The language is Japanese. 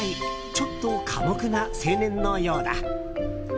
ちょっと寡黙な青年のようだ。